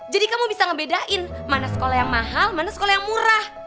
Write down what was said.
jadi kamu bisa ngebedain mana sekolah yang mahal mana sekolah yang murah